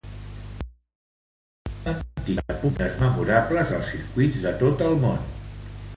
Els dos van mantindre pugnes memorables als circuits de tot el món.